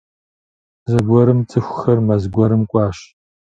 Зэгуэрым цӀыхухэр мэз гуэрым кӀуащ.